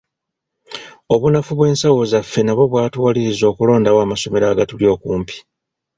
Obunafu bw’ensawo zaffe nabwo bwatuwaliriza okulondawo amasomero agatuli okumpi .